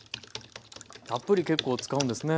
たっぷり結構使うんですね。